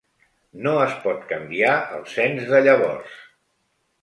No es pot canviar el cens de llavors.